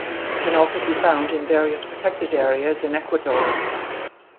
It can also be found in various protected areas in Ecuador.